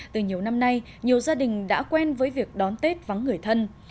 từ nhiều năm nay nhiều gia đình đã quen với việc đón tết vắng người thân